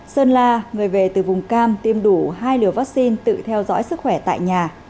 sơn la người về từ vùng cam tiêm đủ hai liều vaccine tự theo dõi sức khỏe tại nhà